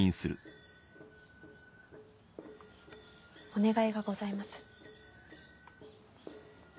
お願いがございます。